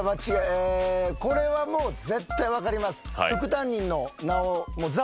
これはもう絶対分かります。